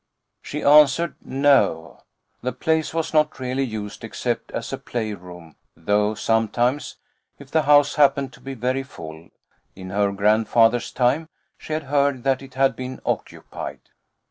She answered "No," the place was not really used except as a playroom, though sometimes, if the house happened to be very full, in her great grandfather's time, she had heard that it had been occupied.